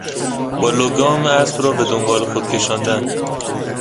با لگام اسب را بهدنبال خود کشاندن